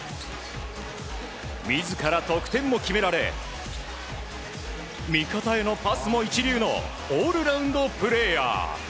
自ら得点も決められ味方へのパスも一流のオールラウンドプレーヤー。